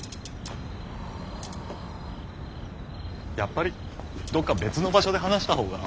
やっぱりどっか別の場所で話した方が。